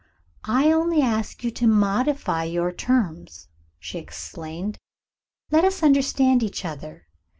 "I only ask you to modify your terms," she explained. "Let us understand each other.